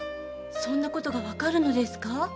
そんなことがわかるのですか？